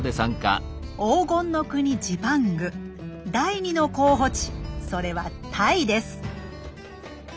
黄金の国ジパング第２の候補地それはタイです。